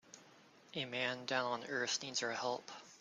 A man down on earth needs our help.